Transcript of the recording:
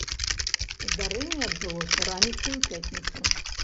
Здарэнне адбылося раніцай у пятніцу.